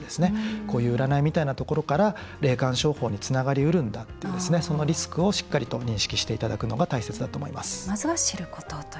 こういう占いみたいなところから霊感商法につながりうるんだというそのリスクをしっかりと認識していただくのが大切だと思います。